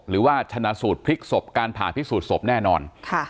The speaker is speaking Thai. หรือว่าชนะสูตรพลิกศพการผ่าพิสูจนศพแน่นอน